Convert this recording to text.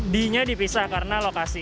d nya dipisah karena lokasi